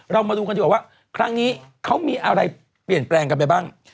เรามาดูกันดีกว่าว่าครั้งนี้เขามีอะไรเปลี่ยนแปลงกันไปบ้าง